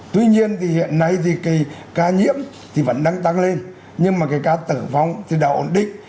tuy nhiên thì hiện nay thì cái ca nhiễm thì vẫn đang tăng lên nhưng mà cái ca tử vong thì đã ổn định